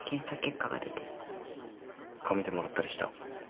紙でもらったりした？